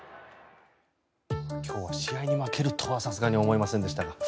今日は試合に負けるとはさすがに思いませんでしたが。